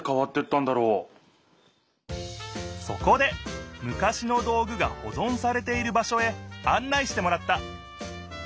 そこでむかしの道具がほぞんされている場しょへあん内してもらった。